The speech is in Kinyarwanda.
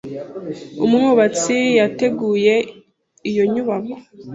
Umwubatsi yateguye iyo nyubako.